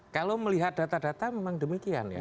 kalau melihat data data memang demikian ya